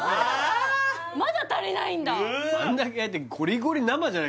まだ足りないんだ